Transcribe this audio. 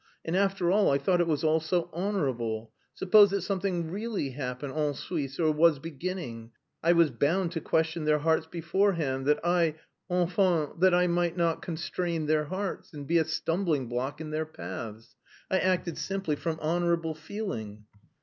And, after all, I thought it was all so honourable. Suppose that something really happened... en Suisse...or was beginning. I was bound to question their hearts beforehand that I..._enfin,_ that I might not constrain their hearts, and be a stumbling block in their paths. I acted simply from honourable feeling."